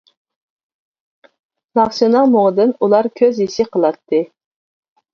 ناخشىنىڭ مۇڭىدىن ئۇلار كۆز يېشى قىلاتتى.